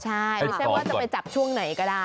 ใช่ไม่ใช่ว่าจะไปจับช่วงไหนก็ได้